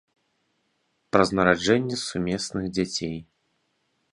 Праз нараджэнне сумесных дзяцей.